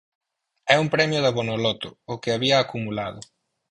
É un premio da Bonoloto, o que había acumulado.